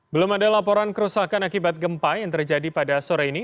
belum ada laporan kerusakan akibat gempa yang terjadi pada sore ini